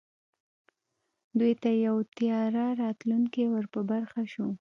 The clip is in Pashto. دوی ته یو تیاره راتلونکی ور په برخه شو